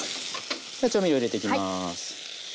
じゃあ調味料入れていきます。